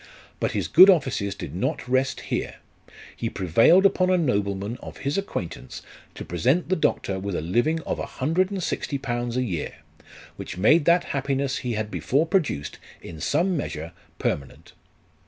But his good offices did not rest here. He prevailed upon a nobleman of his acquaintance to present the doctor with a living of 160Z. a year, which made that happiness he had before produced, in some measure permanent.